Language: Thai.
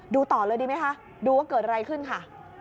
ต่อเลยดีไหมคะดูว่าเกิดอะไรขึ้นค่ะ